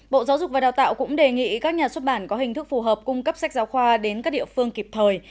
bộ giáo dục và đào tạo cũng đề nghị các nhà xuất bản có hình thức phù hợp cung cấp sách giáo khoa đến các địa phương kịp thời